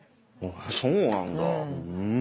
そうなんだふん。